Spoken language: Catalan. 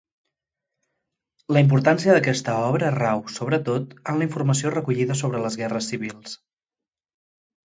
La importància d'aquesta obra rau, sobretot, en la informació recollida sobre les guerres civils.